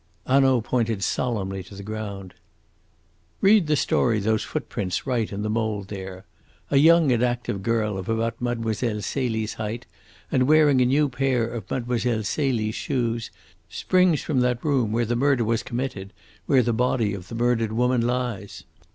Hanaud pointed solemnly to the ground. "Read the story those footprints write in the mould there. A young and active girl of about Mlle. Celie's height, and wearing a new pair of Mlle. Celie's shoes, springs from that room where the murder was committed, where the body of the murdered woman lies.